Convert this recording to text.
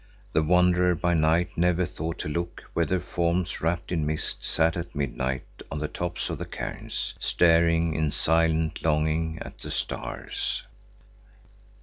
The wanderer by night never thought to look whether forms wrapped in mist sat at midnight on the tops of the cairns staring in silent longing at the stars.